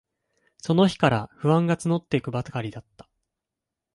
その日から、不安がつのっていくばかりだった。